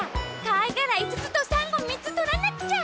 かいがらいつつとさんごみっつとらなくちゃ！